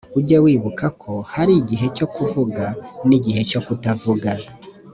ujye wibuka ko hari igihe cyo kuvuga n igihe cyo kutavuga